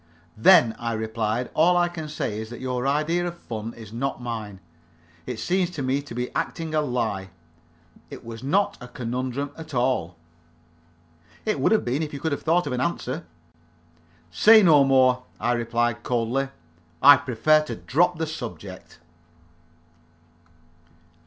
"Then," I replied, "all I can say is, that your idea of fun is not mine. It seems to me to be acting a lie. It was not a conundrum at all." "It would have been if you could have thought of an answer." "Say no more," I replied, coldly. "I prefer to drop the subject."